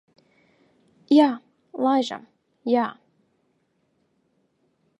Jā, laižam. Jā.